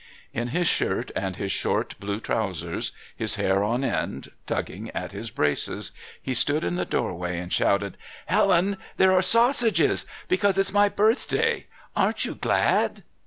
In his shirt and his short blue trousers, his hair on end, tugging at his braces, he stood in the doorway and shouted: "Helen, there are sausages because it's my birthday. Aren't you glad?"